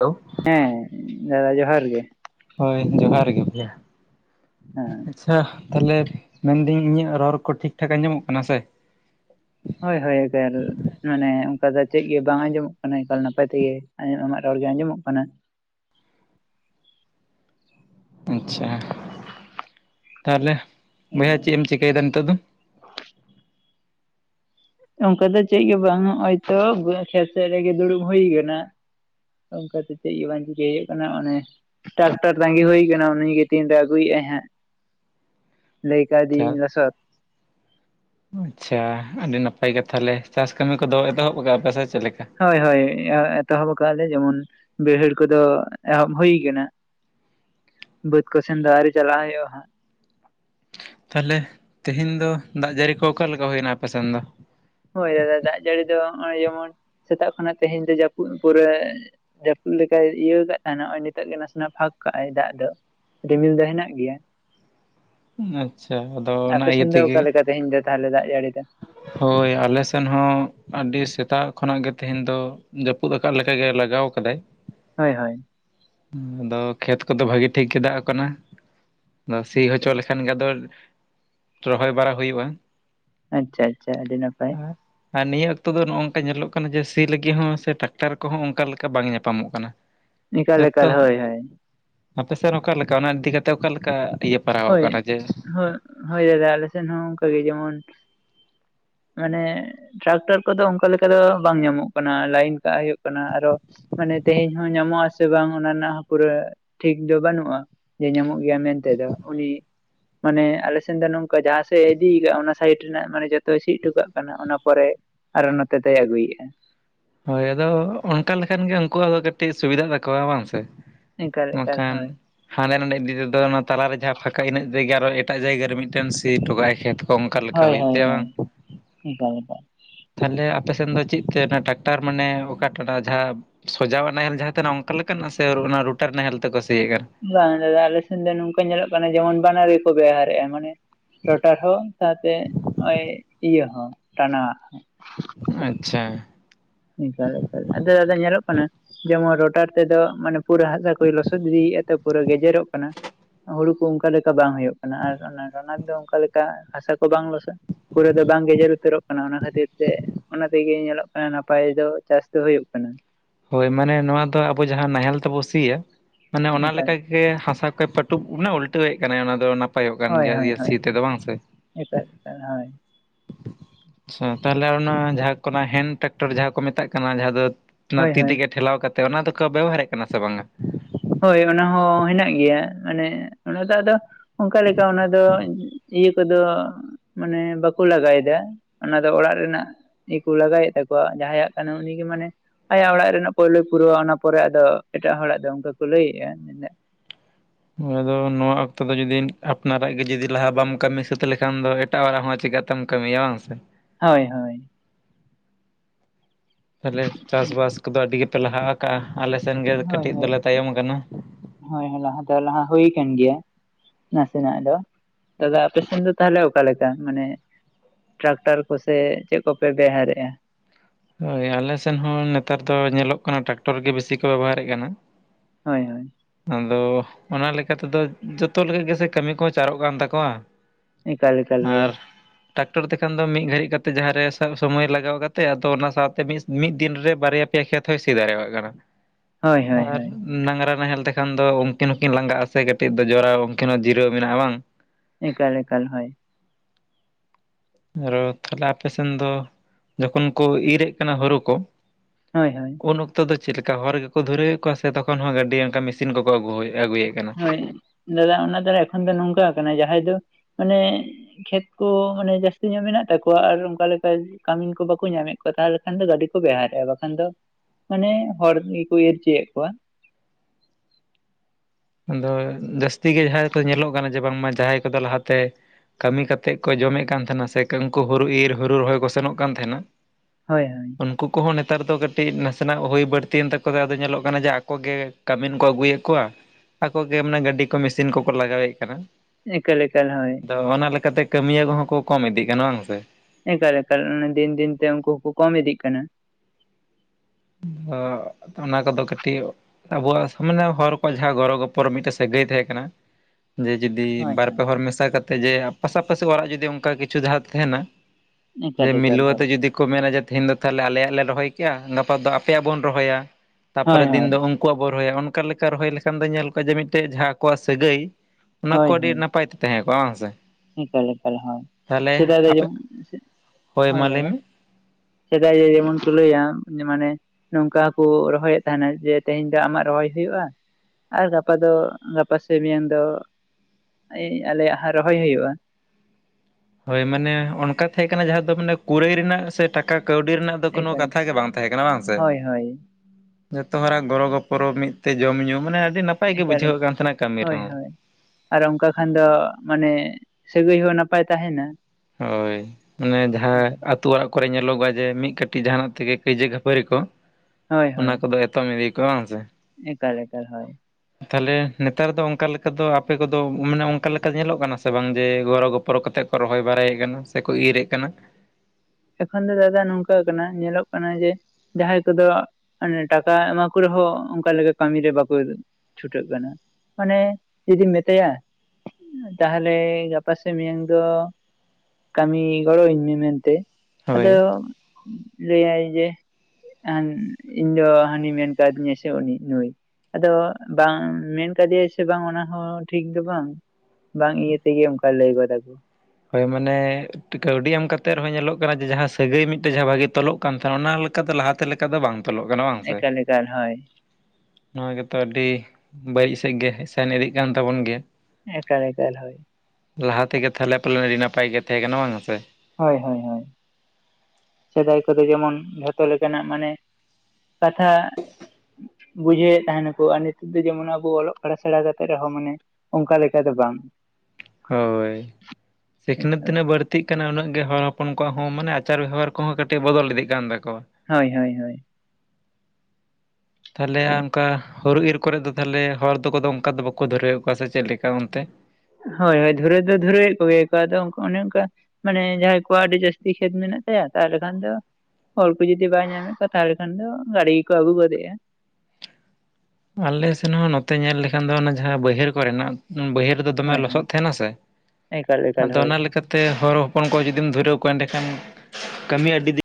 Hello ᱦᱮᱸ ᱫᱟᱫᱟ ᱡᱚᱦᱟᱨ ᱜᱮ ᱾ ᱦᱳᱭ ᱡᱚᱦᱟᱨ ᱜᱮ ᱵᱚᱭᱦᱟ, ᱦᱮᱸ ᱟᱪᱪᱷᱟ ᱛᱟᱦᱚᱞᱮ ᱢᱮᱱᱫᱟᱹᱧ ᱤᱧᱟᱹᱜ ᱨᱚᱲ ᱠᱚ ᱴᱷᱤᱠ ᱴᱷᱟᱠ ᱟᱸᱡᱚᱢᱚᱜ ᱠᱟᱱᱟ ᱥᱮ? ᱦᱳᱭ ᱦᱳᱭ ᱮᱠᱟᱞ ᱢᱟᱱᱮ ᱚᱱᱠᱟ ᱫᱚ ᱪᱮᱫ ᱜᱮ ᱵᱟᱝ ᱟᱸᱡᱚᱢᱚᱜ ᱠᱟᱱᱟ ᱮᱠᱟᱞ ᱱᱟᱯᱟᱭ ᱛᱮᱜᱮ ᱟᱸᱡᱚᱢ ᱟᱢᱟᱜ ᱨᱚᱲ ᱜᱮ ᱟᱸᱡᱚᱢᱚᱜ ᱠᱟᱱᱟ ᱾ ᱟᱪᱪᱷᱟ, ᱛᱟᱦᱚᱞᱮ ᱵᱚᱭᱦᱟ ᱪᱮᱫ ᱮᱢ ᱪᱤᱠᱟᱹᱭᱮᱫᱟ ᱱᱤᱛᱚᱜ ᱫᱚ? [unintelligible] ᱚᱱᱠᱟ ᱫᱚ ᱪᱮᱫ ᱜᱮ ᱵᱟᱝ ᱱᱚᱭᱛᱚ ᱠᱷᱮᱛ ᱥᱮᱫ ᱨᱮᱜᱮ ᱫᱩᱲᱩᱵ ᱦᱩᱭ ᱠᱟᱱᱟ ᱾ ᱚᱱᱠᱟᱛᱮ ᱪᱮᱫ ᱜᱮ ᱵᱟᱝ ᱪᱤᱠᱟᱹᱭ ᱦᱩᱭᱩᱜ ᱠᱟᱱᱟ ᱚᱱᱮ ᱴᱟᱠᱴᱟᱨ ᱛᱟᱺᱜᱤ ᱦᱩᱭ ᱠᱟᱱᱟ ᱩᱱᱤᱹ ᱜᱮ ᱛᱤᱱᱨᱮ ᱟᱹᱜᱩᱭ ᱮᱫᱟᱭ ᱦᱟᱸᱜ [unintelligible] ᱞᱟᱹᱭ ᱠᱟᱣᱫᱮᱭᱤᱧ ᱞᱚᱥᱚᱫ ᱾ ᱚ ᱟᱪᱪᱷᱟ ᱟᱹᱰᱤ ᱱᱟᱯᱟᱭ ᱜᱮ ᱛᱟᱦᱚᱞᱮ ᱪᱟᱥ ᱠᱟᱹᱢᱤ ᱠᱚᱫᱚ ᱮᱛᱚᱦᱚᱵ ᱠᱟᱜ ᱯᱮ ᱥᱮ ᱪᱮᱫ ᱞᱮᱠᱟ? ᱦᱳᱭ ᱦᱳᱭ ᱮᱛᱚᱦᱚᱵ ᱟᱠᱟᱫ ᱞᱮ ᱡᱮᱢᱚᱱ ᱵᱟᱹᱭᱦᱟᱹᱲ ᱠᱚᱫᱚ ᱮᱦᱚᱵ ᱦᱩᱭ ᱠᱟᱱᱟ ᱾ ᱵᱥᱹᱫᱽ ᱠᱚ ᱥᱮᱱ ᱫᱚ ᱟᱹᱣᱨᱤ ᱪᱟᱞᱟᱜ ᱦᱩᱭᱩᱜᱼᱟ ᱦᱟᱸᱜ ᱾ ᱛᱟᱦᱚᱞᱮ ᱛᱮᱦᱮᱧ ᱫᱚ ᱫᱟᱜ ᱡᱟᱹᱲᱤ ᱠᱚ ᱚᱠᱟ ᱞᱮᱠᱟ ᱦᱩᱭᱱᱟ ᱟᱯᱮ ᱥᱮᱱ ᱫᱚ? ᱦᱳᱭ ᱫᱟᱫᱟ ᱫᱟᱜ ᱡᱟᱹᱲᱤ ᱫᱚ ᱡᱮᱢᱚᱱ ᱥᱮᱛᱟᱜ ᱠᱷᱚᱱᱟᱜ ᱛᱮᱦᱮᱧ ᱫᱚ ᱡᱟᱹᱯᱩᱫ ᱯᱩᱨᱟᱹ ᱡᱟᱹᱯᱩᱫ ᱞᱮᱠᱟᱭ ᱤᱭᱟᱹ ᱟᱫᱟᱜ ᱛᱟᱦᱮᱸᱱᱟ ᱱᱚᱜᱼᱚᱭ ᱱᱤᱛᱚᱜ ᱜᱮ ᱱᱟᱥᱮᱱᱟᱜ ᱯᱷᱟᱸᱠ ᱠᱟᱜᱼ ᱟᱭ ᱫᱟᱜ ᱫᱚ ᱾ ᱨᱤᱢᱤᱞ ᱫᱚ ᱦᱮᱱᱟᱜ ᱜᱮᱭᱟ ᱾ ᱟᱪᱪᱷᱟ ᱟᱫᱚ ᱚᱱᱟ ᱟᱯᱮ ᱤᱭᱟᱹ ᱥᱮᱱ ᱫᱚ ᱛᱮᱜᱮ ᱚᱠᱟ ᱞᱮᱠᱟ ᱛᱮᱦᱮᱧ ᱫᱚ ᱛᱟᱦᱞᱮ ᱫᱟᱜ ᱡᱟᱹᱲᱤ ᱫᱚ? ᱦᱳᱭ ᱟᱞᱮ ᱥᱮᱱ ᱦᱚᱸ ᱟᱹᱰᱤ ᱥᱮᱛᱟᱜ ᱠᱷᱚᱱᱟᱜ ᱜᱮ ᱛᱮᱦᱮᱧ ᱫᱚ ᱡᱟᱹᱯᱩᱫ ᱟᱠᱟᱫ ᱞᱮᱠᱟᱜᱮ ᱞᱟᱜᱟᱣ ᱟᱠᱟᱫᱟᱭ, ᱦᱳᱭ ᱦᱳᱭ ᱾ ᱟᱫᱚ ᱠᱷᱮᱛ ᱠᱚᱫᱚ ᱵᱷᱟᱜᱤ ᱴᱷᱤᱠ ᱜᱮ ᱫᱟᱜ ᱠᱟᱱᱟ ᱟᱫᱚ ᱥᱤ ᱦᱚᱪᱚ ᱞᱮ ᱠᱷᱟᱱ ᱜᱮ ᱟᱫᱚ ᱨᱚᱦᱚᱭ ᱵᱟᱲᱟ ᱦᱩᱭᱩᱜᱼᱟ ᱾ ᱟᱪᱪᱷᱟ ᱟᱪᱪᱷᱟ ᱟᱹᱰᱤ ᱱᱟᱯᱟᱭ ᱾ ᱟᱨ ᱱᱤᱭᱟᱹ ᱚᱠᱛᱚ ᱫᱚ ᱱᱚᱜᱼᱚ ᱱᱚᱝᱠᱟ ᱧᱮᱞᱚᱜ ᱠᱟᱱᱟ ᱡᱮ ᱥᱤ ᱞᱟᱹᱜᱤᱫ ᱦᱚᱸ ᱥᱮ ᱴᱨᱮᱠᱴᱟᱨ ᱠᱚᱦᱚᱸ ᱚᱱᱠᱟ ᱞᱮᱠᱟ ᱵᱟᱝ ᱧᱟᱯᱟᱢᱚᱜ ᱠᱟᱱᱟ ᱾ [unintelligible] ᱮᱠᱟᱞ -ᱮᱠᱟᱞ ᱦᱳᱭ -ᱦᱳᱭ ᱾ ᱟᱯᱮ ᱥᱮᱫ ᱦᱚᱸ ᱚᱠᱟ ᱞᱮᱠᱟ ᱚᱱᱟ ᱤᱫᱤ ᱠᱟᱛᱮ ᱚᱠᱟᱞᱮᱠᱟ ᱤᱭᱟᱹ? ᱯᱟᱲᱟᱣᱚᱜ ᱠᱟᱱᱟ ᱦᱳᱭ, ᱡᱮ ᱦᱳ-ᱦᱳᱭ ᱟᱞᱮ ᱥᱮᱱ ᱦᱚᱸ ᱚᱱᱠᱟᱜᱮ ᱡᱮᱢᱚᱱ ᱢᱟᱱᱮᱜ ᱴᱨᱟᱠᱴᱚᱨ ᱠᱚᱫᱚ ᱚᱱᱠᱟ ᱞᱮᱠᱟ ᱫᱚ ᱵᱟᱝ ᱧᱟᱢᱚᱜ ᱠᱟᱱᱟ ᱞᱟᱭᱤᱱ ᱠᱟᱜ ᱦᱳᱭᱳᱜ ᱠᱟᱱᱟ ᱟᱨᱚ ᱢᱟᱱᱮ ᱛᱮᱹᱦᱮᱹᱧ ᱦᱚᱸ ᱧᱟᱢᱚᱜ ᱟᱥᱮ ᱵᱟᱝ ᱚᱱᱟ ᱨᱮᱱᱟᱜ ᱯᱩᱨᱟᱹ ᱴᱷᱤᱠ ᱫᱚ ᱵᱟᱹᱱᱩᱜᱼᱟ ᱾ ᱡᱮ ᱧᱟᱢᱚᱜ ᱜᱮᱭᱟ ᱢᱮᱱᱛᱮ ᱫᱚ ᱩᱱᱤ ᱢᱟᱱᱮ ᱟᱞᱮᱥᱮᱱ ᱫᱚ ᱱᱚᱝᱠᱟ ᱡᱟᱦᱟᱸ ᱥᱮᱡ ᱮ ᱤᱫᱤᱭᱮᱫᱟ ᱚᱱᱟ ᱥᱟᱭᱤᱰ ᱨᱮᱱᱟᱜ ᱢᱟᱱᱮ ᱡᱚᱛᱚᱭ ᱥᱤ ᱦᱚᱴᱚ ᱠᱟᱜ ᱠᱟᱱᱟ ᱚᱱᱟ ᱯᱚᱨᱮ ᱟᱨᱚ ᱱᱚᱛᱮ ᱛᱮᱭ ᱟᱹᱜᱩᱭᱮᱜᱼᱟ ᱾ ᱦᱳᱭ, ᱟᱫᱚ ᱚᱱᱠᱟ ᱞᱮᱠᱷᱟᱱ ᱜᱮ ᱩᱱᱠᱩᱣᱟᱜ ᱫᱚ ᱠᱟᱹᱴᱤᱡ ᱥᱩᱵᱤᱫᱷᱟᱜ ᱛᱟᱠᱚᱣᱟ ᱵᱟᱝ ᱥᱮ? ᱚᱱᱠᱟ ᱞᱮᱠᱟ ᱵᱟᱸᱠᱷᱟᱱ ᱦᱳᱭ ᱦᱟᱸᱰᱮ ᱱᱟᱰᱮ ᱤᱫᱤ ᱛᱮᱫᱚ ᱚᱱᱟ ᱛᱟᱞᱟᱨᱮ ᱡᱟᱦᱟᱸ ᱯᱷᱟᱸᱠᱟ ᱤᱱᱟᱹᱜ ᱛᱮᱜᱮ ᱟᱨᱚ ᱮᱴᱟᱜ ᱡᱟᱭᱜᱟ ᱨᱮ ᱢᱤᱫᱴᱮᱱ ᱥᱤ ᱴᱷᱚ ᱠᱟᱜᱟᱭ ᱠᱷᱮᱛ ᱾ ᱚᱱᱠᱟ ᱞᱮᱠᱟ ᱦᱳᱭ ᱦᱳᱭᱳᱜ ᱦᱳᱭ ᱛᱟᱭᱟ ᱦᱳᱭ ᱵᱟᱝ ᱮᱠᱟᱞ ᱮᱠᱟᱞ ᱛᱟᱦᱞᱮ ᱟᱯᱮ ᱥᱮᱱ ᱫᱚ ᱪᱮᱫ ᱛᱮ ᱚᱱᱟ ᱴᱟ ᱛᱟᱨ ᱢᱟᱱᱮ ᱚᱠᱟ ᱴᱚᱞᱟ ᱡᱷᱟᱵ ᱥᱚᱡᱟᱣᱟᱜ ᱱᱟᱦᱮᱞ ᱡᱟᱦᱟᱸ ᱛᱟᱦᱮᱱᱟ ᱚᱱᱠᱟ ᱞᱮᱠᱟᱱᱟᱜ ᱥᱮ ᱚᱱᱟ ᱨᱳᱴᱟᱨ ᱱᱟᱦᱮᱞ ᱛᱮᱠᱚ ᱥᱤᱭᱮ ᱠᱟᱱ? ᱵᱟᱝ ᱫᱟᱫᱟ ᱟᱞᱮ ᱥᱮᱱ ᱫᱚ ᱱᱚᱝᱠᱟ ᱧᱮᱞᱚᱜ ᱠᱟᱱᱟ ᱡᱮᱢᱚᱱ ᱵᱟᱱᱟᱨ ᱜᱮᱠᱚ ᱵᱮᱣᱦᱟᱨᱮᱜᱼᱟ ᱢᱟᱱᱮ ᱨᱚᱴᱟᱨ ᱦᱚᱸ ᱥᱟᱶᱛᱮ ᱱᱚᱜᱚᱭ ᱤᱭᱟᱹ ᱦᱚᱸ ᱴᱟᱱᱟᱣᱟᱜ ᱦᱚᱸ ᱾ ᱟᱪ-ᱪᱷᱟ ᱾ ᱱᱤᱝᱠᱟ ᱞᱮᱠᱟ ᱟᱫᱚ ᱫᱟᱫᱟ ᱧᱮᱞᱚᱜ ᱠᱟᱱᱟ ᱡᱮᱢᱚᱱ ᱨᱚᱴᱟᱨ ᱛᱮᱫᱚ ᱢᱟᱱᱮ ᱯᱩᱨᱟᱹ ᱦᱟᱥᱟ ᱠᱚᱭ ᱞᱚᱥᱚᱫ ᱤᱫᱤᱭᱮᱜᱼᱟ ᱛᱚ ᱯᱩᱨᱟᱹ ᱜᱮᱡᱮᱨᱚᱜ ᱠᱟᱱᱟ ᱦᱩᱲᱩ ᱠᱚ ᱚᱱᱠᱟᱞ ᱞᱮᱠᱟ ᱵᱟᱝ ᱦᱳᱭᱳᱜ ᱠᱟᱱᱟ ᱟᱨ ᱚᱱᱟ ᱴᱟᱱᱟ ᱛᱮᱫᱚ ᱚᱱᱠᱟ ᱞᱮᱠᱟ ᱦᱟᱥᱟ ᱠᱚ ᱵᱟᱝ ᱞᱚᱥᱚᱫ ᱯᱩᱨᱟᱹ ᱫᱚ ᱵᱟᱝ ᱜᱮᱡᱮᱨ ᱩᱛᱟᱹᱨᱚᱜ ᱠᱟᱱᱟ ᱚᱱᱟ ᱠᱷᱟᱹᱛᱤᱨ ᱛᱮ ᱚᱱᱟ ᱛᱮᱜᱮ ᱧᱮᱞᱚᱜ ᱠᱟᱱᱟ ᱱᱟᱯ ᱯᱟᱭ ᱫᱚ ᱪᱟᱥ ᱫᱚ ᱦᱳᱭᱳᱜ ᱠᱟᱱᱟ ᱾ ᱦᱳᱭ, ᱢᱟᱱᱮ ᱱᱚᱣᱟ ᱫᱚ ᱟᱵᱚ ᱡᱟᱦᱟᱸ ᱱᱟᱦᱮᱞ ᱛᱮᱵᱚ ᱥᱤᱭᱟ ᱢᱟᱱᱮ ᱚᱱᱟ ᱮᱠᱟᱞ ᱞᱮᱠᱟ ᱜᱮ ᱦᱟᱥᱟ ᱠᱚᱭ ᱯᱟᱹᱴᱩᱵ ᱢᱟᱱᱮ ᱩᱞᱴᱟᱹᱣᱮᱫ ᱠᱟᱱᱟᱭ ᱚᱱᱟ ᱫᱚ ᱱᱟᱯᱟᱭᱚᱜ ᱠᱟᱱ ᱦᱳᱭ ᱜᱮᱭᱟ ᱦᱳᱭ ᱤᱭᱟᱹ ᱥᱤ ᱦᱳᱭ ᱛᱮᱫᱚ ᱵᱟᱝ ᱥᱮ ᱾ ᱮᱠᱟᱞ ᱮᱠᱟᱞ ᱦᱳᱭ ᱟᱪ-ᱪᱷᱟ, ᱛᱟᱦᱞᱮ ᱚᱱᱟ ᱡᱟᱦᱟᱸ ᱠᱚᱱᱟ ᱦᱮᱱ ᱴᱨᱟᱠᱴᱚᱨ ᱡᱟᱦᱟᱸ ᱠᱚ ᱢᱮᱛᱟᱜ ᱠᱟᱱᱟ ᱡᱟᱦᱟᱸ ᱫᱚ ᱚᱱᱟ ᱦᱳᱭ ᱛᱤ ᱦᱳᱭ ᱛᱮᱜᱮ ᱴᱷᱮᱞᱟᱣ ᱠᱟᱛᱮ ᱚᱱᱟ ᱫᱚᱠᱚ ᱵᱮᱵᱚᱦᱟᱨᱮᱫ ᱠᱟᱱᱟ ᱥᱮ ᱵᱟᱝᱟ? ᱦᱳᱭ, ᱚᱱᱟ ᱦᱚᱸ ᱦᱮᱱᱟᱜ ᱜᱮᱭᱟ ᱢᱟᱱᱮ ᱚᱱᱟ ᱫᱚ ᱟᱫᱚ ᱚᱝᱠᱟ ᱞᱮᱠᱟ ᱚᱱᱟ ᱫᱚ ᱤᱭᱟᱹ ᱠᱚᱫᱚ ᱢᱟᱱᱮ, ᱵᱟᱠᱚ ᱞᱟᱜᱟᱭᱮᱫᱟ ᱚᱱᱟ ᱫᱚ ᱚᱲᱟᱜ ᱨᱮᱱᱟᱜ ᱮ ᱠᱚ ᱞᱟᱜᱟᱭᱮᱫ ᱛᱟᱠᱚᱣᱟ ᱡᱟᱦᱟᱸᱭᱟᱜ ᱠᱟᱱᱟ ᱩᱱᱤᱜᱮ ᱢᱟᱱᱮ ᱟᱭᱟᱜ ᱚᱲᱟᱜ ᱨᱮᱱᱟᱜ ᱯᱳᱭᱞᱳᱭ ᱯᱩᱨᱟᱹᱣᱟ ᱚᱱᱟ ᱯᱚᱨᱮ ᱟᱫᱚ ᱮᱴᱟᱜ ᱦᱚᱲᱟᱜ ᱫᱚ ᱚᱱᱠᱟ ᱠᱚ ᱞᱟᱹᱭᱮᱜᱼᱟ ᱾ ᱟᱫᱚ ᱱᱚᱣᱟ ᱚᱠᱛᱚ ᱫᱚ ᱡᱩᱫᱤᱢ ᱟᱯᱱᱟᱨᱟᱜ ᱜᱮ ᱡᱩᱫᱤ ᱞᱟᱦᱟ ᱵᱟᱢ ᱠᱟᱹᱢᱤ ᱥᱟᱹᱛ ᱞᱮᱠᱷᱟᱱ ᱫᱚ ᱮᱴᱟᱜ ᱦᱚᱲᱟᱜ ᱦᱚᱸ ᱪᱤᱠᱟ ᱛᱮᱢ ᱠᱟᱹᱢᱤᱭᱟ ᱵᱟᱝ ᱥᱮ ᱾ ᱦᱳᱭ -ᱦᱳᱭ ᱾ ᱛᱟᱞᱦᱮ ᱪᱟᱥᱵᱟᱥ ᱠᱚᱫᱚ ᱟᱹᱰᱤ ᱜᱮᱯᱮ ᱞᱟᱦᱟ ᱟᱠᱟᱜᱼᱟ ᱟᱞᱮ ᱥᱮᱱ ᱜᱮ ᱦᱳᱭ ᱠᱟᱹᱴᱤᱡ ᱫᱚᱞᱮ ᱛᱟᱭᱚᱢ ᱟᱠᱟᱱᱟ ᱾ ᱦᱳᱭ -ᱦᱳᱭ ᱞᱟᱦᱟ ᱫᱚ ᱞᱟᱦᱟ ᱦᱩ ᱟᱠᱟᱱ ᱜᱮᱭᱟ ᱾ ᱱᱟᱥᱮᱱᱟᱜ ᱟᱫᱚ, ᱫᱟᱫᱟ ᱟᱯᱮᱥᱮᱱ ᱫᱚ ᱛᱟᱦᱞᱮ ᱚᱠᱟᱞᱮᱠᱟ ᱢᱟᱱᱮ ᱴᱨᱟᱠᱴᱟᱨ ᱠᱚᱥᱮ, ᱪᱮᱫ ᱠᱚᱯᱮ ᱵᱮᱣᱦᱟᱨᱮᱜᱼᱟ? ᱦᱳᱭ, ᱟᱞᱮ ᱥᱮᱱ ᱦᱚᱸ ᱱᱮᱛᱟᱨ ᱫᱚ ᱧᱮᱞᱚᱜ ᱠᱟᱱᱟ ᱴᱨᱟᱠᱴᱚᱨ ᱜᱮ ᱵᱤᱥᱤ ᱠᱚ ᱵᱮᱵᱚᱦᱟᱨᱮᱫ ᱠᱟᱱᱟ ᱾ ᱦᱚᱭ -ᱦᱚᱭ ᱾ ᱟᱫᱚ, ᱚᱱᱟ ᱞᱮᱠᱟᱛᱮᱫᱚ ᱡᱚᱛᱚ ᱞᱮᱠᱟ ᱜᱮᱥᱮ ᱠᱟᱹᱢᱤ ᱠᱚ ᱪᱟᱨᱚᱜ ᱠᱟᱱ ᱛᱟᱠᱚᱣᱟ ᱾ ᱮᱠᱟᱞ ᱮᱠᱟᱞ ᱦᱳᱭ ᱟ-ᱨ-ᱦ ᱾ ᱴᱟᱠᱴᱚᱨ ᱛᱮᱠᱷᱟᱱ ᱫᱚ ᱢᱤᱫ ᱜᱷᱟᱹᱲᱤᱡ ᱠᱟᱛᱮ ᱡᱟᱦᱟᱸ ᱨᱮ ᱥᱟᱵ ᱥᱚᱢᱚᱭ ᱞᱟᱜᱟᱣ ᱠᱟᱛᱮ ᱟᱫᱚ ᱚᱱᱟ ᱥᱟᱶᱛᱮ ᱢᱤᱫ ᱢᱤᱫ ᱫᱤᱱ ᱨᱮ ᱵᱟᱨᱭᱟ ᱠᱮ ᱠᱷᱮᱛ ᱦᱚᱸᱭ ᱥᱤ ᱫᱟᱲᱮᱭᱟᱜ ᱠᱟᱱᱟ ᱦᱳᱭ ᱦᱳᱭ ᱟᱨ ᱦᱳᱭ ᱰᱟᱝᱨᱟ ᱱᱟᱦᱮᱞ ᱛᱮ ᱮᱱᱠᱷᱟᱱ ᱫᱚ ᱩᱱᱠᱤᱱ ᱦᱚᱸᱠᱤᱱ ᱞᱟᱸᱜᱟᱜᱼᱟ ᱥᱮ ᱠᱟᱹᱴᱤᱡ ᱫᱚ ᱡᱚᱲᱟᱣ ᱩᱱᱠᱤᱱ ᱦᱚᱸ ᱡᱤᱨᱟᱹᱣ ᱢᱮᱱᱟᱜᱼᱟ ᱵᱟᱝ ᱮᱠᱟᱞ ᱮᱠᱟᱞ ᱦᱳᱭ ᱟᱨᱚ ᱛᱟᱦᱚᱞᱮ ᱟᱯᱮᱥᱱ ᱫᱚ ᱡᱚᱠᱷᱚᱱ ᱠᱚ ᱤᱨᱮᱫ ᱠᱟᱱᱟ ᱦᱳᱨᱳ ᱠᱚ ᱦᱳᱭ ᱦᱳᱭ ᱩᱱ ᱚᱠᱛᱚ ᱫᱚ ᱪᱮᱫ ᱞᱮᱠᱟ ᱦᱚᱲ ᱜᱮᱠᱚ ᱫᱷᱩᱨᱟᱹᱣᱮᱫ ᱠᱚᱣᱟ ᱥᱮ ᱛᱚᱠᱷᱚᱱ ᱦᱚᱸ ᱜᱟᱹᱰᱤ ᱚᱱᱠᱟ ᱢᱮᱥᱤᱱ ᱠᱚᱠᱚ ᱟᱹᱜᱩᱭ ᱟᱹᱜᱩᱭᱮᱫ ᱠᱟᱱᱟ ᱫᱟᱫᱟ ᱚᱱᱟ ᱫᱚ ᱮᱠᱷᱚᱱ ᱫᱚ ᱱᱚᱝᱠᱟ ᱠᱟᱱᱟ ᱡᱟᱦᱟᱸᱭ ᱫᱚ ᱢᱟᱱᱮ ᱠᱷᱮᱛ ᱠᱚ ᱢᱟᱱᱮ ᱡᱟᱹᱥᱛᱤ ᱧᱚᱜ ᱢᱮᱱᱟᱜ ᱛᱟᱠᱚᱣᱟ ᱟᱨ ᱚᱱᱠᱟ ᱞᱮᱠᱟ ᱠᱟᱹᱢᱤᱱ ᱠᱚ ᱵᱟᱠᱚ ᱧᱟᱢᱮᱫ ᱛᱟᱞᱦᱮ ᱠᱷᱟᱱ ᱫᱚ ᱜᱟᱹᱰᱤ ᱠᱚ ᱜᱮ ᱟᱨ ᱵᱟᱠᱷᱟᱱ ᱫᱚ ᱢᱟᱱᱮ ᱦᱚᱲ ᱜᱮᱠᱚ ᱤᱨ ᱦᱚᱪᱚᱭᱮᱫ ᱠᱚᱣᱟ ᱟᱫᱚ ᱡᱟᱹᱥᱛᱤ ᱜᱮ ᱡᱟᱦᱟᱭ ᱠᱚ ᱧᱮᱞᱚᱜ ᱠᱟᱱᱟ ᱡᱮ ᱵᱟᱝᱢᱟ ᱡᱟᱦᱟᱭ ᱠᱚᱫᱚ ᱞᱟᱦᱟᱛᱮ ᱠᱟᱹᱢᱤ ᱠᱟᱛᱮᱫ ᱠᱚ ᱡᱚᱢᱮᱜ ᱠᱟᱱ ᱛᱟᱦᱮᱱᱟ ᱥᱮ ᱩᱱᱠᱩ ᱦᱚᱲᱳ ᱤᱨ ᱦᱚᱲᱳ ᱨᱚᱦᱚᱭ ᱠᱚ ᱥᱮᱱᱚᱜ ᱠᱟᱱ ᱛᱟᱦᱮᱱᱟ ᱦᱳᱭ ᱦᱳᱭ ᱩᱱᱠᱩ ᱠᱚᱦᱚᱸ ᱱᱮᱛᱟᱨ ᱫᱚ ᱠᱟᱹᱴᱤᱡ ᱱᱟᱥᱮᱱᱟᱜ ᱦᱩᱭ ᱵᱟᱹᱲᱛᱤᱭᱮᱱ ᱛᱟᱠᱚ ᱟᱫᱚ ᱧᱮᱞᱚᱜ ᱠᱟᱱᱟ ᱡᱮ ᱟᱠᱚ ᱜᱮ ᱠᱟᱹᱢᱤᱱᱠᱚ ᱟᱹᱜᱩᱭᱮᱜ ᱠᱚᱣᱟ ᱟᱠᱚ ᱜᱮ ᱢᱟᱱᱮ ᱜᱟᱹᱰᱤ ᱠᱚ ᱢᱮᱥᱤᱱ ᱠᱚᱠᱚ ᱞᱟᱜᱟᱣᱮᱜ ᱠᱟᱱᱟ ᱮᱠᱟᱞ ᱮᱠᱟᱞ ᱦᱳᱭ ᱟᱫᱚ ᱚᱱᱟ ᱞᱮᱠᱟᱛᱮ ᱠᱟᱹᱢᱤᱭᱟᱹ ᱠᱚᱦᱚᱸ ᱠᱚ ᱠᱚᱢ ᱤᱫᱤᱜ ᱠᱟᱱᱟ ᱵᱟᱝ ᱥᱮ ᱮᱠᱟᱞ ᱮᱠᱟᱞ ᱫᱤᱱ ᱫᱤᱱ ᱛᱮ ᱩᱱᱠᱩ ᱦᱚᱸᱠᱚ ᱠᱚᱢ ᱤᱫᱤᱜ ᱠᱟᱱᱟ ᱚᱜ ᱚᱱᱟ ᱠᱚᱫᱚ ᱠᱟᱹᱴᱤᱡ ᱟᱵᱚᱣᱟᱜ ᱥᱟᱢᱟᱱ ᱮ ᱦᱚᱲ ᱠᱚᱣᱟᱜ ᱡᱟᱦᱟᱸ ᱜᱚᱲᱚ ᱜᱚᱯᱚᱲ ᱢᱤᱫᱴᱮᱱ ᱥᱟᱹᱜᱟᱹᱭ ᱛᱟᱦᱮᱸ ᱠᱟᱱᱟ ᱡᱮ ᱡᱩᱫᱤ ᱦᱳᱭ ᱵᱟᱨ ᱯᱮ ᱦᱳᱭ ᱦᱚᱲ ᱢᱮᱥᱟ ᱠᱟᱛᱮ ᱡᱮ ᱯᱟᱥᱟ ᱯᱟᱥᱤ ᱚᱲᱟᱜ ᱡᱩᱫᱤ ᱚᱱᱠᱟ ᱠᱤᱪᱷᱩ ᱡᱟᱦᱟᱸ ᱛᱟᱦᱮᱱᱟ ᱮᱠᱟᱞ ᱡᱮ ᱮᱠᱟᱞ ᱢᱤᱞᱟᱹᱣ ᱦᱳᱭ ᱟᱛᱮ ᱡᱩᱫᱤ ᱠᱚ ᱢᱮᱱᱟ ᱛᱮᱦᱤᱧ ᱫᱚ ᱛᱟᱞᱦᱮ ᱟᱞᱮᱭᱟᱜ ᱞᱮ ᱨᱚᱦᱚᱭ ᱠᱮᱭᱟ ᱜᱟᱯᱟ ᱜᱟᱯᱟ ᱫᱚ ᱟᱯᱮᱭᱟᱜ ᱵᱚᱱ ᱨᱚᱦᱚᱭᱟ ᱦᱳᱭ ᱛᱟᱨᱯᱚᱨᱮ ᱫᱤᱱ ᱦᱳᱭ ᱫᱚ ᱩᱱ ᱠᱚᱣᱟᱜ ᱵᱚ ᱨᱚᱦᱚᱭᱟ ᱚᱱᱠᱟ ᱞᱮᱠᱟ ᱨᱚᱦᱚᱭ ᱞᱮᱠᱷᱟᱱ ᱫᱚ ᱧᱮᱞ ᱠᱚᱼᱟ ᱡᱮ ᱢᱤᱫᱴᱮᱡ ᱡᱟᱦᱟᱸ ᱟᱠᱚᱣᱟᱜ ᱥᱟᱹᱜᱟᱹᱭ ᱚᱱᱟ ᱠᱚ ᱦᱳᱭ ᱟᱹᱰᱤ ᱦᱳᱭ ᱱᱟᱯᱟᱭ ᱛᱮ ᱛᱟᱦᱮᱸ ᱠᱚᱜᱼᱟ ᱵᱟᱝ ᱥᱮ ᱮᱠᱟᱞ ᱮᱠᱟᱞ ᱦᱚᱸ ᱛᱟᱦᱚᱞᱮ ᱥᱮᱫᱟᱭ ᱫᱚ ᱟᱯᱮ ᱡᱮᱢᱚᱱ ᱦᱳᱭ ᱢᱟ ᱞᱟᱹᱭ ᱫᱟᱫᱟ ᱢᱮ ᱥᱮᱫᱟᱭ ᱡᱮᱢᱚᱱ [unintelligible] ᱢᱟᱱᱮ ᱱᱚᱝᱠᱟ ᱦᱚᱸᱠᱚ ᱨᱚᱦᱚᱭᱮᱫ ᱛᱟᱦᱮᱱᱟ ᱡᱮ ᱛᱮᱦᱮᱧ ᱫᱚ ᱟᱢᱟᱜ ᱨᱚᱦᱚᱭ ᱦᱳᱭᱳᱜᱼᱟ ᱟᱨ ᱜᱟᱯᱟ ᱫᱚ ᱜᱟᱯᱟ ᱥᱮ ᱢᱮᱭᱟᱝ ᱫᱚ ᱟᱞᱮᱭᱟᱜ ᱦᱚᱸ ᱨᱚᱦᱚᱭ ᱦᱳᱭᱳᱜᱼᱟ ᱦᱳᱭ ᱢᱟᱱᱮ ᱚᱱᱠᱟ ᱛᱟᱦᱮᱸ ᱠᱟᱱᱟ ᱡᱟᱦᱟᱸ ᱫᱚ ᱢᱟᱱᱮ ᱠᱩᱲᱟᱹᱭ ᱨᱮᱱᱟᱜ ᱥᱮ ᱴᱟᱠᱟ ᱠᱟᱹᱣᱰᱤ ᱨᱮᱱᱟᱜ ᱫᱚ ᱠᱳᱱᱳ ᱮᱠᱟᱞ ᱠᱟᱛᱷᱟ ᱜᱮ ᱵᱟᱝ ᱛᱟᱦᱮᱸ ᱠᱟᱱᱟ ᱵᱟᱝ ᱥᱮ ᱦᱳᱭ ᱦᱳᱭ ᱡᱚᱛᱚ ᱦᱚᱲᱟᱜ ᱜᱚᱲᱚ ᱜᱚᱯᱚᱲᱚ ᱢᱤᱫᱛᱮ ᱡᱚᱢᱼᱧᱩ ᱢᱟᱱᱮ ᱟᱹᱰᱤ ᱱᱟᱯᱟᱭ ᱜᱮ ᱮᱠᱟᱞ ᱵᱩᱡᱷᱟᱹᱣ ᱮᱫ ᱠᱟᱱ ᱛᱟᱦᱮᱱᱟ ᱠᱟᱹᱢᱤ ᱦᱳᱭ ᱨᱮᱦᱚᱸ ᱦᱳᱭ ᱟᱨ ᱚᱱᱠᱟ ᱠᱷᱟᱱ ᱫᱚ ᱢᱟᱱᱮ ᱥᱟᱹᱜᱟᱹᱭ ᱦᱚᱸ ᱱᱟᱯᱟᱭ ᱛᱟᱦᱮᱱᱟ ᱦᱳᱭ ᱢᱟᱱᱮ ᱡᱟᱦᱟᱸ ᱮᱠᱟᱞ ᱟᱹᱛᱩ ᱚᱲᱟᱜ ᱠᱚᱨᱮ ᱧᱮᱞᱚᱜᱚᱜᱼᱟ ᱡᱮ ᱢᱤᱫ ᱠᱟᱹᱴᱤᱡ ᱡᱟᱦᱟᱱᱟᱜ ᱛᱮᱜᱮ ᱠᱟᱹᱭᱡᱟᱹ ᱠᱷᱟᱹᱯᱟᱹᱨᱤ ᱠᱚ ᱦᱳᱭ ᱚᱱᱟ ᱦᱳᱭ ᱠᱚᱫᱚ ᱮᱛᱚᱢ ᱤᱫᱤᱭᱟ ᱠᱚᱢ ᱥᱮ ᱮᱠᱟᱞ ᱮᱠᱟᱞ ᱦᱚᱭ ᱛᱟᱞᱦᱮ ᱱᱮᱛᱟᱨ ᱫᱚ ᱚᱱᱠᱟ ᱞᱮᱠᱟ ᱫᱚ ᱟᱯᱮ ᱠᱚᱫᱚ ᱢᱟᱱᱮ ᱚᱱᱠᱟ ᱞᱮᱠᱟ ᱧᱮᱞᱚᱜ ᱠᱟᱱᱟ ᱥᱮ ᱵᱟᱝ ᱡᱮ ᱜᱚᱲᱚ ᱜᱚᱯᱚᱲᱚ ᱠᱟᱛᱮᱫ ᱠᱚ ᱨᱚᱦᱚᱭ ᱵᱟᱲᱟᱭᱮᱫ ᱠᱟᱱᱟ ᱥᱮ ᱠᱚ ᱤᱨᱮᱫ ᱠᱟᱱᱟ ᱮᱠᱷᱚᱱ ᱫᱚ ᱫᱟᱫᱟ ᱱᱚᱝᱠᱟ ᱠᱟᱱᱟ ᱧᱮᱞᱚᱜ ᱠᱟᱱᱟ ᱡᱮ ᱡᱟᱦᱟᱸᱭ ᱠᱚᱫᱚ ᱴᱟᱠᱟ ᱮᱢᱟ ᱠᱚ ᱨᱮᱦᱚᱸ ᱚᱱᱠᱟ ᱞᱮᱠᱟ ᱠᱟᱹᱢᱤ ᱨᱮ ᱵᱟᱠᱚ ᱪᱷᱩᱴᱟᱹᱜ ᱠᱟᱱᱟ ᱢᱟᱱᱮ ᱪᱮᱫ ᱮᱢ ᱢᱮᱛᱟᱭᱟ ᱛᱟᱦᱚᱞᱮ ᱜᱟᱯᱟ ᱥᱮ ᱢᱮᱭᱟᱝ ᱫᱚ ᱠᱟᱹᱢᱤ ᱜᱚᱲᱚ ᱟᱹᱧ ᱢᱮ ᱢᱮᱱᱛᱮ ᱟᱫᱚ ᱦᱳᱭ ᱞᱟᱹᱭᱟᱭ ᱡᱮ [unintelligible] ᱤᱧ ᱫᱚ ᱦᱟᱹᱱᱤ ᱢᱮᱱ ᱠᱟᱣᱫᱤᱧᱟ ᱥᱮ ᱩᱱᱤ ᱱᱩᱭ ᱟᱫᱚ ᱵᱟᱝ ᱢᱮᱱ ᱠᱟᱫᱮᱭᱟ ᱥᱮ ᱵᱟᱝ ᱚᱱᱟ ᱦᱚᱸ ᱴᱷᱤᱠ ᱫᱚ ᱵᱟᱝ ᱵᱟᱝ ᱤᱭᱟᱹ ᱛᱮᱜᱮ ᱚᱱᱠᱟ ᱞᱟᱹᱭ ᱜᱚᱫᱟ ᱠᱚ ᱦᱚᱭ ᱢᱟᱱᱮ, ᱠᱟᱹᱣᱰᱤ ᱮᱢ ᱠᱟᱛᱮᱜ ᱨᱮᱦᱚᱸ ᱧᱮᱞᱚᱜ ᱠᱟᱱᱟ ᱡᱮ ᱡᱟᱦᱟᱸ ᱥᱟᱹᱜᱟᱹᱭ ᱢᱤᱫᱴᱮᱡ ᱡᱟᱦᱟᱸ ᱵᱷᱟᱜᱤ ᱛᱚᱞᱚᱜ ᱠᱟᱱ ᱛᱟᱦᱮᱱᱟ ᱚᱱᱟ ᱞᱮᱠᱟᱛᱮ ᱞᱟᱦᱟ, ᱛᱮ ᱞᱮᱠᱟ ᱫᱚ ᱵᱟᱝ ᱛᱚᱞᱚᱜ ᱠᱟᱱᱟ ᱵᱟᱝ ᱥᱮ᱾ ᱮᱠᱟᱞ ᱮᱠᱟᱞ ᱦᱳᱭ ᱱᱚᱣᱟ ᱜᱮᱛᱚ ᱟᱹᱰᱤ ᱵᱟᱹᱲᱤᱡ ᱥᱮᱜᱮ ᱥᱮᱱ ᱤᱫᱤᱜ ᱠᱟᱱ ᱛᱟᱵᱚᱱ ᱜᱮᱭᱟ᱾ ᱮᱠᱟᱞ ᱮᱠᱟᱞ ᱦᱚᱭ᱾ ᱞᱟᱦᱟ ᱛᱮᱜᱮ ᱛᱟᱦᱚᱞᱮ ᱯᱟᱞᱮᱱ ᱟᱹᱰᱤ ᱱᱟᱯᱟᱭ ᱜᱮ ᱛᱟᱦᱮᱸ ᱠᱟᱱᱟ ᱵᱟᱝ ᱥᱮ, ᱦᱳᱭ ᱦᱳᱭ ᱦᱳᱭ᱾ ᱥᱮᱫᱟᱭ ᱠᱚᱫᱚ ᱡᱮᱢᱚᱱ ᱡᱷᱚᱛᱚ ᱞᱮᱠᱟᱱᱟᱜ ᱢᱟᱱᱮ ᱠᱟᱛᱷᱟ, ᱵᱩᱡᱷᱟᱹᱣ ᱮᱫ ᱛᱟᱦᱮᱱᱟ ᱠᱚ ᱟᱨ ᱱᱤᱛᱚᱜ ᱫᱚ ᱡᱮᱢᱚᱱ ᱟᱵᱚ ᱚᱞᱚᱜ ᱯᱟᱲᱦᱟᱜ ᱥᱮᱬᱟ ᱠᱟᱛᱮᱜ ᱨᱮᱦᱚᱸ ᱢᱟᱱᱮ, ᱚᱱᱠᱟ ᱞᱮᱠᱟ ᱫᱚ ᱵᱟᱝ᱾ ᱦᱳᱭ ᱥᱤᱠᱷᱱᱟᱹᱛ ᱛᱤᱱᱟᱹᱜ ᱵᱟᱹᱲ ᱛᱤᱜ ᱠᱟᱱᱟ ᱩᱱᱟᱹᱜ ᱜᱮ ᱦᱚᱲ ᱦᱚᱯᱚᱱ ᱠᱚᱣᱟᱜ ᱦᱚᱸ ᱢᱟᱱᱮ ᱟᱪᱟᱨ ᱵᱮᱵᱚᱦᱟᱨ ᱠᱚᱦᱚᱸ ᱠᱟᱹᱴᱤᱜ ᱵᱚᱫᱚᱞ ᱤᱫᱤᱜ ᱠᱟᱱ ᱛᱟᱠᱚᱣᱟ᱾ ᱦᱳᱭ ᱦᱳᱭ ᱦᱳᱭ, ᱛᱟᱦᱚᱞᱮ ᱦᱳᱭ ᱚᱱᱠᱟ ᱦᱚᱨᱩ ᱤᱨ ᱠᱚᱨᱮ ᱫᱚ ᱛᱟᱦᱚᱞᱮ ᱦᱚᱲ ᱫᱚ ᱠᱚᱫᱚ ᱚᱱᱠᱟ ᱫᱚ ᱵᱟᱠᱚ ᱫᱷᱩᱨᱟᱹᱮᱫ ᱠᱚᱣᱟ ᱥᱮ ᱪᱮᱫ ᱞᱮᱠᱟ ᱚᱱᱛᱮ? ᱦᱳᱭ ᱦᱳᱭ ᱫᱷᱩᱨᱟᱹᱭ ᱫᱚ ᱫᱷᱩᱨᱟᱹᱭ ᱮᱫ ᱠᱚᱜᱮᱭᱟ ᱠᱚ ᱟᱫᱚ ᱚᱱᱮ ᱚᱱᱠᱟ? ᱢᱟᱱᱮ ᱡᱟᱦᱟᱸᱭ ᱠᱚᱣᱟᱜ ᱟᱹᱰᱤ ᱡᱟᱹᱥᱛᱤ ᱠᱷᱮᱛ ᱢᱮᱱᱟᱜ ᱛᱟᱭᱟ ᱛᱟᱦᱚᱞᱮ ᱠᱷᱟᱱ ᱫᱚ, ᱦᱚᱲ ᱠᱚ ᱡᱩᱫᱤ ᱵᱟᱭ ᱧᱟᱢᱮᱫ ᱠᱚᱣᱟ ᱛᱟᱦᱚᱞᱮ ᱠᱷᱟᱱ ᱫᱚ ᱜᱟᱹᱰᱤ ᱜᱮᱠᱚ ᱟᱹᱜᱩ ᱜᱚᱫᱮᱜᱼᱟ᱾ ᱟᱞᱮ ᱥᱮᱱ ᱦᱚᱸ ᱱᱚᱛᱮ ᱧᱮᱞ ᱞᱮᱠᱷᱟᱱ ᱫᱚ ᱚᱱᱟ ᱡᱟᱦᱟᱸ ᱵᱟᱹᱭᱦᱟᱹᱲ ᱠᱚ ᱨᱮᱱᱟᱜ ᱵᱟᱹᱭᱦᱟᱹᱨ ᱱᱚᱛᱮ ᱫᱚ ᱫᱚᱢᱮ ᱦᱳᱭ ᱦᱳᱭ ᱞᱚᱥᱚᱫ ᱛᱟᱦᱮᱱᱟ ᱥᱮ ᱮᱠᱟᱞ ᱮᱠᱟᱞ ᱟᱫᱚ ᱦᱳᱭ ᱚᱱᱟ ᱞᱮᱠᱟ ᱛᱮ ᱦᱚᱲ ᱦᱚᱯᱚᱱ ᱠᱚ ᱡᱩᱫᱤᱢ ᱫᱷᱩᱨᱟᱹᱣ ᱠᱚᱣᱟ ᱮᱸᱰᱮ ᱠᱷᱟᱱ ᱠᱟᱹᱢᱤ ᱟᱹᱰᱤ ᱫᱤᱱ,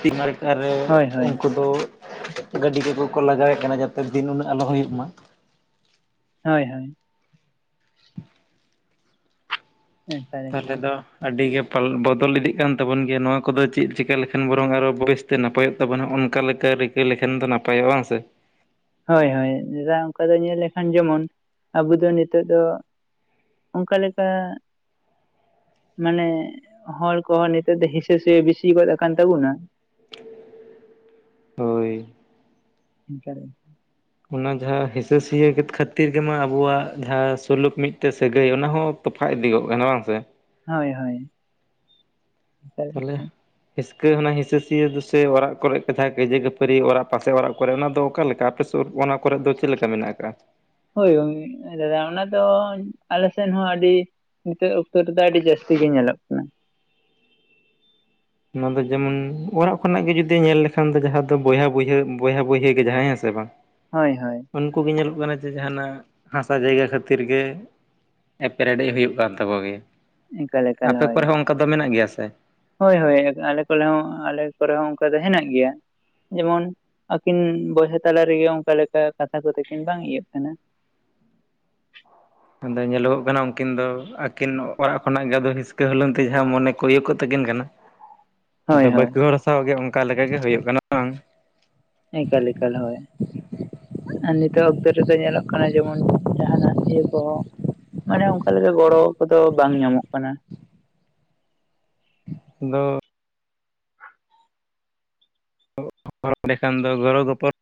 ᱛᱤ ᱢᱟᱨᱠᱟᱨᱮ ᱦᱳᱭ ᱦᱳᱭ ᱩᱱᱠᱩ ᱫᱚ, ᱜᱟᱹᱰᱤ ᱠᱚᱠᱚ ᱠᱚ ᱞᱟᱜᱟᱣᱮᱜ ᱠᱟᱱᱟ ᱡᱟᱛᱮ ᱫᱤᱱ ᱩᱱᱟᱹᱜ ᱟᱞᱚ ᱦᱩᱭᱩᱜ ᱢᱟ᱾ ᱦᱳᱭ ᱦᱳᱭ, ᱮᱠᱟᱞ ᱛᱟᱦᱚᱞᱮ ᱮᱠᱟᱞ ᱫᱚ ᱟᱹᱰᱤᱜᱮ ᱯᱟᱞᱮᱫ ᱵᱚᱫᱚᱞ ᱤᱫᱤᱜ ᱠᱟᱱ ᱛᱟᱵᱚᱱ ᱜᱮᱭᱟ ᱱᱚᱣᱟ ᱠᱚᱫᱚ ᱪᱮᱫ ᱪᱤᱠᱟᱹ ᱞᱮᱠᱷᱟᱱ ᱵᱚᱨᱚᱝ ᱟᱨᱚ ᱵᱮᱥ, ᱛᱮ ᱱᱟᱯᱟᱭᱚᱜ ᱛᱟᱵᱚᱱᱟ ᱚᱱᱠᱟ ᱞᱮᱠᱟ ᱨᱤᱠᱟᱹᱭ ᱞᱮᱠᱷᱟᱱ ᱫᱚ ᱱᱟᱯᱟᱭᱚᱜᱼᱟ ᱵᱟᱝ ᱥᱮ, ᱦᱳᱭ ᱦᱳᱭ ᱱᱮᱛᱟᱨ ᱚᱱᱠᱟ ᱫᱚ ᱧᱮᱞ ᱞᱮᱠᱷᱟᱱ ᱡᱮᱢᱚᱱ ᱟᱵᱚ ᱫᱚ ᱱᱤᱛᱚᱜ ᱫᱚ, ᱚᱱᱠᱟ ᱞᱮᱠᱟ, ᱢᱟᱱᱮ ᱦᱚᱲ ᱠᱚᱦᱚᱸ ᱱᱤᱛᱚᱜ ᱫᱚ ᱦᱸᱤᱥᱟᱹ ᱥᱩᱭᱟᱹ ᱵᱤᱥᱤ ᱜᱚᱫ ᱠᱟᱱ ᱛᱟᱵᱚᱱᱟ᱾ ᱦᱳᱭ ᱮᱠᱟᱞ ᱜᱮ᱾ ᱚᱱᱟ ᱡᱟᱦᱟᱸ ᱦᱤᱸᱥᱟᱹ ᱥᱤᱭᱟᱹ ᱠᱷᱟᱹᱛᱤᱨ ᱜᱮᱢᱟ ᱟᱵᱚᱣᱟᱜ ᱡᱟᱦᱟᱸ ᱥᱩᱞᱩᱠ ᱢᱤᱫᱴᱮᱜ ᱥᱟᱹᱜᱟᱹᱭ ᱚᱱᱟ ᱦᱚᱸ, ᱛᱚᱯᱟᱜ ᱤᱫᱤ ᱜᱚᱜ ᱠᱟᱱᱟ ᱵᱟᱝ ᱥᱮ᱾ ᱦᱳᱭ ᱦᱳᱭ, ᱛᱟᱞᱦᱮ, ᱦᱤᱥᱠᱟᱹ ᱚᱱᱟ ᱦᱤᱥᱟᱹ ᱥᱩᱭᱟᱹ ᱫᱩᱥᱨᱟ ᱚᱲᱟᱜ ᱠᱚᱨᱮ ᱠᱟᱛᱮᱜ ᱠᱟᱹᱭᱡᱟᱹ ᱠᱷᱟᱹᱯᱟᱹᱨᱤ ᱚᱲᱟᱜ ᱯᱟᱥᱮ ᱚᱲᱟᱜ ᱠᱚᱨᱮ ᱚᱱᱟ ᱫᱚ ᱚᱠᱟᱞᱮᱠᱟ? ᱟᱯᱮ ᱥᱩᱨ ᱚᱱᱟ ᱠᱚᱨᱮ ᱫᱚ ᱪᱮᱫ ᱞᱮᱠᱟ ᱢᱮᱱᱟᱜ ᱟᱠᱟᱜᱼᱟ? ᱦᱳᱭ ᱜᱚᱝᱠᱮ ᱫᱟᱫᱟ ᱚᱱᱟ ᱫᱚ ᱟᱞᱮ ᱥᱮᱱ ᱦᱚᱸ ᱟᱹᱰᱤ, ᱱᱤᱛᱚᱜ ᱚᱠᱛᱚ ᱨᱮᱫᱚ ᱟᱹᱰᱤ ᱡᱟᱹᱥᱛᱤ ᱜᱮ ᱧᱮᱞᱚᱜ ᱠᱟᱱᱟ᱾ ᱚᱱᱟ ᱫᱚ ᱡᱮᱢᱚᱱ ᱚᱲᱟᱜ ᱠᱷᱚᱱᱟᱜ ᱜᱮ ᱡᱩᱫᱤ ᱧᱮᱞ ᱞᱮᱠᱷᱟᱱ ᱫᱚ ᱡᱟᱦᱟᱸ ᱫᱚ ᱵᱚᱭᱦᱟ ᱵᱚᱭᱦᱮᱱ ᱵᱚᱭᱦᱟ ᱵᱚᱭᱦᱮ ᱜᱮ ᱡᱟᱦᱟᱸᱭ ᱦᱮᱸ ᱥᱮ ᱵᱟᱝ, ᱦᱳᱭ ᱦᱳᱭ᱾ ᱩᱱᱠᱩ ᱜᱮ ᱧᱮᱞᱚᱜ ᱠᱟᱱᱟ ᱡᱮ ᱡᱟᱦᱟᱱᱟᱜ ᱦᱟᱥᱟ ᱡᱟᱭᱜᱟ ᱠᱷᱟᱹᱛᱤᱨ ᱜᱮ, ᱮᱯᱮᱨ ᱦᱮᱰᱮᱡ ᱦᱩᱭᱩᱜ ᱠᱟᱱ ᱛᱟᱠᱚ ᱜᱮᱭᱟ᱾ ᱮᱠᱟᱞ ᱮᱠᱟᱞ ᱟᱯᱮ ᱦᱳᱭ ᱠᱚᱨᱮ ᱦᱚᱸ ᱚᱱᱠᱟ ᱫᱚ ᱢᱮᱱᱟᱜ ᱜᱮᱭᱟ ᱥᱮ? ᱦᱳᱭ ᱦᱳᱭ ᱟᱞᱮ ᱠᱚᱞᱮ ᱦᱚᱸ ᱟᱞᱮ ᱠᱚᱨᱮ ᱦᱚᱸ ᱚᱱᱠᱟ ᱫᱚ ᱦᱮᱱᱟᱜ ᱜᱮᱭᱟ᱾ ᱡᱮᱢᱚᱱ ᱟᱹᱠᱤᱱ ᱵᱚᱭᱦᱟ ᱛᱟᱞᱟ ᱨᱮᱜᱮ ᱚᱱᱠᱟ ᱞᱮᱠᱟ ᱠᱟᱛᱷᱟ ᱠᱚᱛᱮᱠᱤᱱ ᱵᱟᱝ ᱤᱭᱟᱹᱜ ᱠᱟᱱᱟ, ᱟᱫᱚ ᱧᱮᱞᱚᱜᱚᱜ ᱠᱟᱱᱟ ᱩᱱᱠᱤᱱ ᱫᱚ ᱟᱹᱠᱤᱱ ᱚᱲᱟᱜ ᱠᱷᱚᱱᱟᱜ ᱜᱮᱫ ᱦᱤᱥᱠᱟᱹ ᱦᱩᱞᱩᱝ ᱛᱮ ᱡᱟᱦᱟᱸ ᱢᱚᱱᱮ ᱠᱚᱭ ᱤᱭᱟᱹ ᱠᱚᱜ ᱛᱟᱹᱠᱤᱱ ᱠᱟᱱᱟ, ᱦᱳᱭ ᱟᱫᱚ ᱦᱳᱭ ᱵᱟᱹᱠᱤ ᱦᱚᱲ ᱥᱟᱶ ᱜᱮ ᱚᱱᱠᱟᱠᱟᱜ ᱜᱮ ᱦᱩᱭᱩᱜ ᱠᱟᱱᱟ ᱦᱮᱸᱥᱮ ᱵᱟᱝ ᱮᱠᱟᱞ ᱮᱠᱟᱞ, ᱦᱚᱭ ᱾ ᱱᱤᱛᱚᱜ ᱚᱠᱛᱚ ᱨᱮᱫᱚ, ᱧᱮᱞᱚᱜ ᱠᱟᱱᱟ, ᱡᱮᱢᱚᱱ ᱡᱟᱦᱟᱸᱱᱟᱜ ᱤᱭᱟᱹ ᱠᱚᱦᱚᱸ ᱢᱟᱱᱮ, ᱚᱱᱠᱟ ᱞᱮᱠᱟ, ᱜᱚᱲᱚ ᱠᱚᱫᱚ, ᱵᱟᱝ ᱧᱟᱢᱚᱜ ᱠᱟᱱᱟ ᱾ ᱟᱫᱚ [unintelligible] ᱮᱸᱰᱮᱠᱷᱟᱱ ᱫᱚ ᱜᱚᱲᱚ ᱜᱚᱯᱚᱲ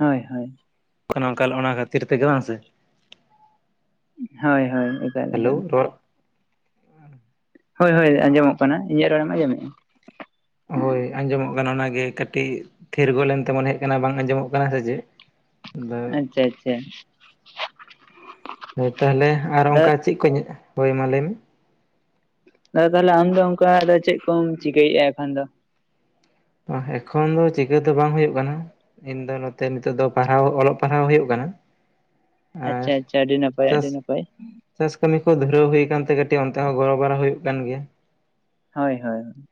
ᱦᱳᱭ ᱦᱳᱭ ᱾ [unintelligible] ᱚᱱᱟ ᱠᱷᱟᱹᱛᱤᱨ ᱛᱮᱜᱮ, ᱵᱟᱝ ᱥᱮ? ᱦᱳᱭ ᱦᱳᱭ ᱾ ᱦᱟᱞᱳ, ᱨᱚᱲ ᱦᱳᱭ ᱦᱳᱭ, ᱟᱸᱡᱚᱢᱚᱜ ᱠᱟᱱᱟ, ᱤᱧᱟᱹᱜ ᱨᱚᱲᱮᱢ ᱟᱸᱡᱚᱢᱮᱫᱼᱟ ᱾ ᱦᱳᱭ ᱟᱸᱡᱚᱢᱚᱜ ᱠᱟᱱᱟ, ᱾ ᱚᱱᱟᱜᱮ ᱠᱟᱹᱴᱤᱡ ᱛᱷᱤᱨᱜᱚᱫ ᱞᱮᱱᱛᱮ, ᱢᱚᱱᱮ ᱦᱩᱭᱩᱜ ᱠᱟᱱᱟ ᱾ ᱵᱟᱝ ᱟᱸᱡᱚᱢᱚᱜ ᱠᱟᱱᱟ, ᱥᱮ ᱪᱮᱫ? ᱟᱫᱚ ᱟᱪᱪᱷᱟ ᱟᱪᱪᱷᱟ ᱾ ᱦᱳᱭ, ᱛᱟᱦᱚᱞᱮ, ᱟᱨ ᱫᱟᱫᱟ ᱚᱱᱠᱟ ᱪᱮᱫ ᱠᱚ, ᱦᱳᱭ ᱢᱟ, ᱞᱟᱹᱭ ᱢᱮ ᱾ ᱫᱟᱫᱟ, ᱛᱟᱦᱚᱞᱮ ᱟᱢ ᱫᱚ, ᱚᱱᱠᱟ ᱫᱚ, ᱪᱮᱫ ᱠᱚᱢ ᱪᱤᱠᱟᱹᱭᱮᱫᱼᱟ? ᱮᱠᱷᱟᱱ ᱫᱚ ᱾ ᱚᱼ ᱱᱮᱠᱷᱚᱱ ᱫᱚ, ᱪᱤᱠᱟᱹ ᱫᱚ, ᱵᱟᱝ ᱦᱩᱭᱩᱜ ᱠᱟᱱᱟ ᱾ ᱤᱧᱫᱚ ᱱᱚᱛᱮ, ᱱᱤᱛᱚᱜ ᱫᱚ, ᱯᱟᱲᱦᱟᱣ ᱚᱞᱚᱜ ᱯᱟᱲᱦᱟᱣ, ᱦᱩᱭᱩᱜ ᱠᱟᱱᱟ ᱾ ᱟᱪᱪᱷᱟ, ᱟᱪᱪᱷᱟ, ᱟᱹᱰᱤ ᱱᱟᱯᱟᱭ, ᱪᱟᱥ ᱟᱹᱰᱤ ᱱᱟᱯᱟᱭ, ᱪᱟᱥ ᱠᱟᱹᱢᱤ ᱠᱚ, ᱫᱷᱩᱨᱟᱹᱣ ᱦᱩᱭ ᱠᱟᱱᱛᱮ, ᱠᱟᱹᱴᱤᱡ ᱚᱱᱛᱮ ᱦᱚᱸ, ᱜᱚᱲᱚ ᱵᱟᱲᱟ, ᱦᱩᱭᱩᱜ ᱠᱟᱱ ᱜᱮᱭᱟ ᱾ ᱦᱳᱭ, ᱦᱳᱭ ᱾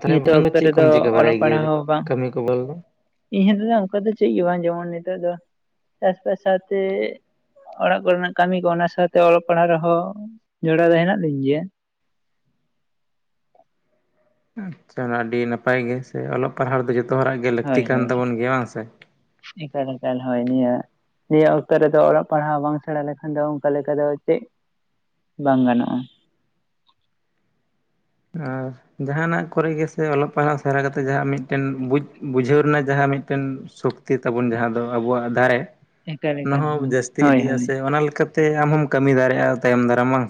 ᱛᱟᱦᱚᱞᱮ ᱱᱤᱛᱚᱜ ᱟᱢ ᱫᱚ ᱚᱠᱛᱚ ᱪᱮᱫ ᱨᱮᱫᱚ, ᱠᱚᱢ ᱪᱤᱠᱟᱹ ᱵᱟᱲᱟᱭ ᱚᱞᱚᱜ ᱯᱟᱲᱦᱟᱣ ᱜᱮᱭᱟ ᱦᱚᱸ ᱵᱟᱝ? ᱠᱟᱹᱢᱤ ᱠᱚ ᱵᱚᱞ ᱫᱚ ᱤᱧ ᱫᱟᱫᱟ, ᱚᱱᱠᱟ ᱫᱚ, ᱪᱮᱫ ᱜᱮ ᱵᱟᱝ ᱡᱚᱢᱟᱹᱧ ᱱᱤᱛᱚᱜ ᱫᱚ, ᱪᱟᱥᱵᱟᱥ ᱥᱟᱶ ᱛᱮ ᱚᱲᱟᱜ ᱠᱚᱨᱮᱱᱟᱜ ᱠᱟᱹᱢᱤ ᱠᱚ, ᱚᱱᱟ ᱥᱟᱶᱛᱮ ᱚᱞᱚᱜ ᱯᱟᱲᱦᱟᱜ ᱨᱮᱦᱚᱸ, ᱡᱚᱲᱟᱣ ᱫᱚ, ᱦᱮᱱᱟᱜ ᱞᱤᱧ ᱜᱮᱭᱟ ᱾ ᱟᱪᱪᱷᱟ ᱾ ᱚᱱᱟ ᱟᱹᱰᱤ ᱱᱟᱯᱟᱭ ᱜᱮ, ᱥᱮ ᱚᱞᱚᱜ ᱯᱟᱲᱦᱟᱣ ᱫᱚ, ᱡᱚᱛᱚ ᱦᱚᱲᱟᱜ ᱜᱮ, ᱞᱟᱹᱠᱛᱤ ᱦᱳᱭ ᱠᱟᱱ ᱦᱳᱭ ᱛᱟᱵᱚᱱ ᱜᱮᱭᱟ, ᱵᱟᱝ ᱥᱮ ᱾ ᱮᱠᱟᱞ, ᱮᱠᱟᱞ ᱦᱳᱭ, ᱱᱤᱭᱟᱹ ᱱᱤᱭᱟᱹ ᱚᱠᱛᱚ ᱨᱮᱫᱚ, ᱚᱞᱚᱜ ᱯᱟᱲᱦᱟᱣ ᱵᱟᱝ ᱥᱮᱬᱟ ᱞᱮᱠᱷᱟᱱ ᱫᱚ, ᱚᱱᱠᱟ ᱞᱮᱠᱟ ᱫᱚ, ᱪᱮᱫ? ᱵᱟᱝ ᱜᱟᱱᱚᱜᱼᱟ ᱾ ᱟᱨ, ᱡᱟᱦᱟᱸᱱᱟᱜ ᱠᱚᱨᱮ ᱜᱮᱥᱮ, ᱚᱞᱚᱜ ᱯᱟᱲᱦᱟᱣ ᱥᱮᱨᱟ ᱠᱟᱛᱮᱫ, ᱡᱟᱦᱟᱸ ᱢᱤᱫᱴᱮᱱ ᱵᱩᱡᱽ ᱵᱩᱡᱷᱟᱹᱣ ᱨᱮᱱᱟᱜ, ᱡᱟᱦᱟᱸ ᱢᱤᱫᱴᱮᱱ ᱥᱚᱠᱛᱤ ᱛᱟᱵᱚᱱ ᱡᱟᱦᱟᱸ ᱫᱚ, ᱟᱵᱚᱣᱟᱜ ᱫᱟᱲᱮ ᱮᱠᱟᱞ ᱾ ᱚᱱᱟ ᱮᱠᱟᱞ ᱦᱚᱸ ᱦᱳᱭ ᱡᱟᱹᱥᱛᱤ ᱦᱳᱭ ᱤᱫᱤ, ᱟ ᱦᱳᱭ ᱥᱮ, ᱚᱱᱟ ᱞᱮᱠᱟ ᱛᱮ, ᱟᱢ ᱦᱚᱢ ᱠᱟᱹᱢᱤ ᱫᱟᱨᱮᱜᱼᱟ, ᱛᱟᱭᱚᱢ ᱫᱟᱨᱟᱢ ᱵᱟᱝ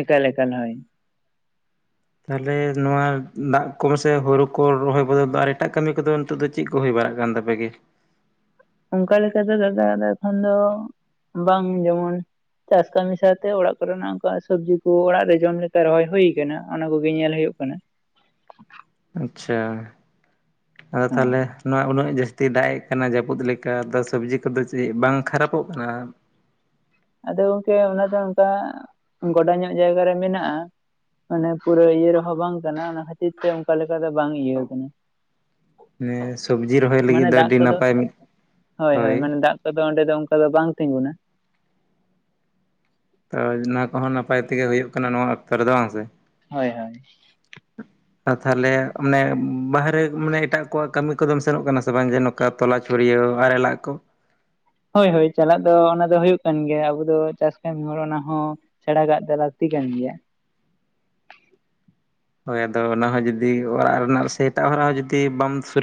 ᱮᱠᱟᱞ ᱮᱠᱟᱞ, ᱦᱚᱭ ᱾ ᱛᱟᱦᱚᱞᱮ, ᱱᱚᱣᱟ ᱫᱟᱜ ᱠᱚᱢ ᱥᱮ, ᱦᱳᱲᱩ ᱠᱚ, ᱨᱚᱦᱚᱭ ᱵᱚᱫᱚᱞ ᱫᱚ, ᱟᱨ ᱮᱴᱟᱜ ᱠᱟᱹᱢᱤ ᱠᱚᱫᱚ, ᱱᱤᱛᱚᱜ ᱫᱚ ᱪᱮᱫ ᱠᱚ, ᱦᱩᱭ ᱵᱟᱲᱟᱜ ᱠᱟᱱ ᱛᱟᱯᱮ ᱜᱮ ᱾ ᱚᱱᱠᱟ, ᱞᱮᱠᱟ ᱛᱮ ᱫᱟᱫᱟ, ᱮᱠᱷᱚᱱ ᱫᱚ, ᱵᱟᱝ ᱡᱮᱢᱚᱱ ᱪᱟᱥ ᱠᱟᱹᱢᱤ ᱥᱟᱶᱛᱮ, ᱚᱲᱟᱜ ᱠᱚᱨᱮᱱᱟᱜ, ᱚᱱᱠᱟ ᱥᱚᱵᱽᱡᱤ ᱠᱚ, ᱚᱲᱟᱜ ᱨᱮ ᱡᱚᱢ ᱞᱮᱠᱟ, ᱨᱚᱦᱚᱭ ᱦᱩᱭ ᱟᱠᱟᱱᱟ ᱾ ᱚᱱᱟ ᱠᱚᱜᱮ, ᱧᱮᱞ ᱦᱩᱭᱩᱜ ᱠᱟᱱᱟ ᱾ ᱟᱪᱪᱷᱟ ᱾ ᱟᱫᱚ ᱦᱳᱭ ᱛᱟᱦᱚᱞᱮ, ᱱᱚᱣᱟ ᱩᱱᱟᱹᱜ ᱡᱟᱹᱥ ᱛᱤ ᱫᱟᱜ ᱮᱜ ᱠᱟᱱᱟ, ᱡᱟᱹᱯᱩᱫ ᱞᱮᱠᱟ ᱫᱚ, ᱥᱚᱵᱽᱡᱤ ᱠᱚᱫᱚ, ᱪᱮᱫ ᱵᱟᱝ ᱠᱷᱟᱨᱟᱯᱚᱜ ᱠᱟᱱᱟ? ᱟᱫᱚ, ᱜᱚᱝᱠᱮ ᱚᱱᱟ ᱫᱚ, ᱚᱱᱠᱟ ᱜᱚᱰᱟ ᱧᱚᱜ, ᱡᱟᱭᱜᱟ ᱨᱮ ᱢᱮᱱᱟᱜᱼᱟ ᱾ ᱚᱱᱮ ᱯᱩᱨᱟᱹ ᱤᱭᱟᱹ ᱨᱮᱦᱚᱸᱸ, ᱵᱟᱝ ᱠᱟᱱᱟ, ᱚᱱᱟ ᱠᱷᱟᱹᱛᱤᱨ ᱛᱮ, ᱚᱱᱠᱟ ᱞᱮᱠᱟ ᱫᱚ, ᱵᱟᱝ ᱤᱭᱟᱹ ᱟᱠᱟᱱᱟ ᱾ ᱢᱮ, ᱥᱚᱵᱡᱤ ᱨᱚᱦᱚᱭ ᱞᱟᱹᱜᱤᱫ ᱢᱟᱱᱮ ᱫᱚ, ᱫᱟᱜ ᱟᱹᱰᱤ ᱱᱟᱯᱟᱭ, ᱢᱤᱫ, ᱦᱳᱭ ᱛᱚᱵᱮ ᱚᱸᱰᱮ ᱫᱚ, ᱚᱱᱠᱟ ᱫᱚ, ᱵᱟᱝ ᱛᱤᱸᱜᱩᱱᱟ ᱾ ᱛᱚ, ᱚᱱᱟ ᱠᱚᱦᱚᱸ, ᱱᱟᱯᱟᱭ ᱛᱮᱜᱮ, ᱦᱩᱭᱩᱜ ᱠᱟᱱᱟ, ᱱᱚᱣᱟ ᱚᱠᱛᱚ ᱨᱮᱫᱚ, ᱵᱟᱝ ᱥᱮ? ᱦᱳᱭ ᱦᱳᱭ ᱾ ᱠᱟ, ᱛᱟᱦᱞᱮ ᱢᱟᱱᱮ, ᱵᱟᱦᱨᱮ ᱢᱟᱱᱮ, ᱮᱴᱟᱜ ᱠᱚᱣᱟᱜ ᱠᱟᱹᱢᱤ ᱠᱚᱫᱚᱢ ᱥᱮᱱᱚᱜ ᱠᱟᱱᱟ, ᱥᱮ ᱵᱟᱝ, ᱡᱮᱱᱚ ᱚᱱᱠᱟ ᱛᱚᱞᱟ ᱪᱷᱩᱲᱭᱟ. ᱣ ᱟᱲᱮᱞᱟᱜ ᱠᱚ? ᱦᱳᱭ ᱦᱳᱭ ᱪᱟᱞᱟᱜ ᱫᱚ ᱚᱱᱟ ᱫᱚ ᱦᱳᱭᱳᱜ ᱠᱟᱱ ᱜᱮᱭᱟ, ᱟᱵᱚ ᱫᱚ ᱪᱟᱥ ᱠᱟᱹᱢᱤ ᱦᱚᱲ ᱚᱱᱟ ᱦᱚᱸ ᱥᱸᱲᱟ ᱠᱟᱜ ᱫᱚ ᱞᱟ. ᱠᱛᱤ ᱠᱟᱱ ᱜᱮᱭᱟ᱾ ᱦᱳᱭ ᱟᱫᱚ ᱚᱱᱟ ᱦᱚᱸ ᱡᱩᱫᱤ ᱚᱲᱟᱜ ᱨᱮᱱᱟᱜ ᱥᱮ ᱮᱴᱟᱜ ᱦᱚᱨᱟᱜ ᱦᱚᱸ ᱡᱩᱫᱤ ᱵᱟᱢ ᱥᱩᱨᱩ